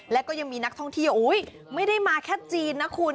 แล้วก็ยังมีนักท่องเที่ยวไม่ได้มาแค่จีนนะคุณ